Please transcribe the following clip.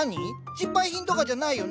失敗品とかじゃないよね？